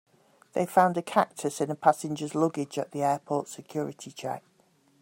They found a cactus in a passenger's luggage at the airport's security check.